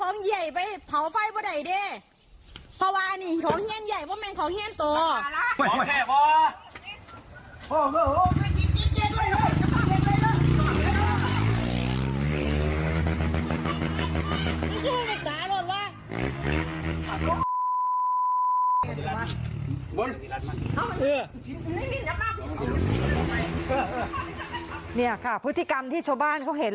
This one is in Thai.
นี่ค่ะพฤติกรรมที่ชาวบ้านเขาเห็น